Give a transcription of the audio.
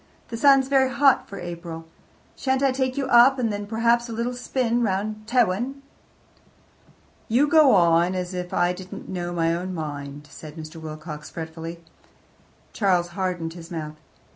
"The sun's very hot for April. Shan't I take you up, and then, perhaps, a little spin round by Tewin?" "You go on as if I didn't know my own mind," said Mr. Wilcox fretfully. Charles hardened his mouth.